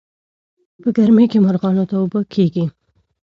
په ګرمۍ کې مارغانو ته اوبه کېږدئ.